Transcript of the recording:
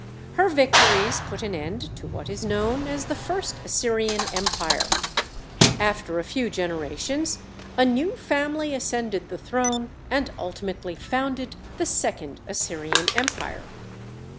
Her victories put an end to what is known as the First Assyrian Empire. After a few generations a new family ascended the throne and ultimately founded the Second Assyrian Empire.